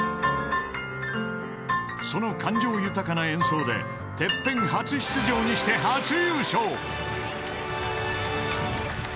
［その感情豊かな演奏でＴＥＰＰＥＮ初出場にして初優勝］